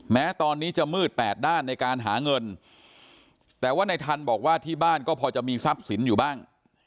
แม้ตอนนี้จะมืดแปดด้านในการหาเงินแต่ว่าในทันบอกว่าที่บ้านก็พอจะมีทรัพย์สินอยู่บ้าง